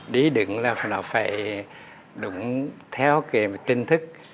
đi đựng là nó phải đúng theo cái trinh thức